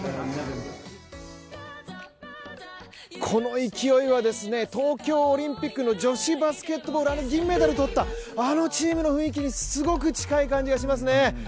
この勢いは、東京オリンピックの女子バスケットボール、あの銀メダルをとったあのチームの雰囲気にすごく近い感じがしますね。